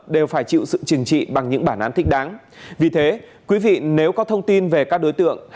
đều phải chịu sự trình trị bằng những bản án thích đáng